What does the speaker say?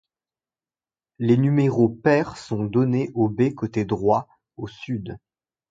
Les numéros pairs sont donnés aux baies côté droit, au Sud.